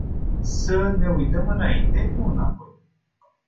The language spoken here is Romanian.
Să ne uităm înainte, nu înapoi.